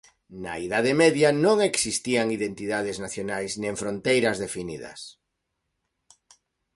Na Idade Media non existían identidades nacionais nen fronteiras definidas